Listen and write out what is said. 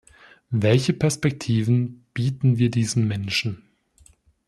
Welche Perspektiven bieten wir diesen Menschen?